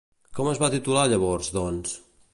Com es van titular llavors, doncs?